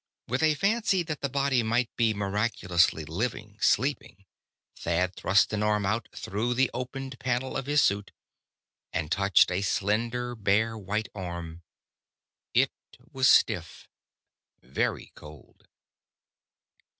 With a fancy that the body might be miraculously living, sleeping, Thad thrust an arm out through the opened panel of his suit, and touched a slender, bare white arm. It was stiff, very cold.